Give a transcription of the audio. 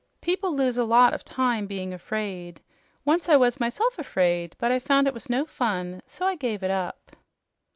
"People lose a lot of time being afraid. Once I was myself afraid, but I found it was no fun, so I gave it up."